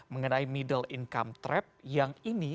mengenai middle income trap yang ini